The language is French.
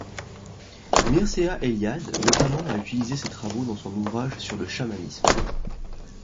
Mircea Eliade notamment a utilisé ses travaux dans son ouvrage sur le chamanisme.